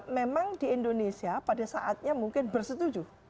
memang di indonesia pada saatnya mungkin bersetuju